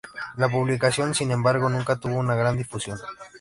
La publicación, sin embargo, nunca tuvo una gran difusión.